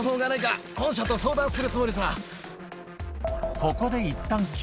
ここでいったんあぁ。